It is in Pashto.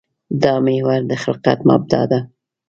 دا محور د خلقت مبدا ده.